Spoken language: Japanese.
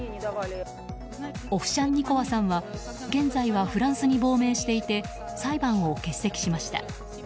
オフシャンニコワさんは現在はフランスに亡命していて裁判を欠席しました。